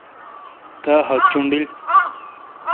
تا خط چوݨڈیل۔